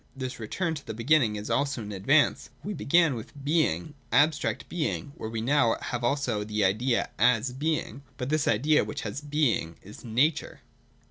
This return to the beginning is also an advance. We began with Being, abstract Being : where we now are we also have the Idea as Being ; but this Idea which has Being is Nature.